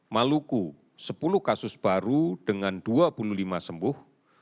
maluku sepuluh kasus baru dengan dua puluh lima sembuh